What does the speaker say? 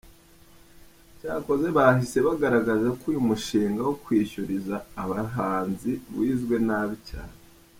Cyakoze bahise bagaragaza ko uyu mushinga wo kwishyuriza abahanzi wizwe nabi cyane.